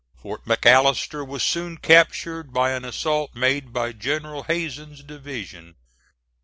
Fort McAllister was soon captured by an assault made by General Hazen's division.